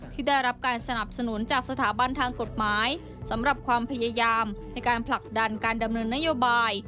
ที่ได้รับการสนับสนุนจากสถาบันทางกฎหมายสำหรับความพยายามในการผลักดันการดำเนินนโยบาย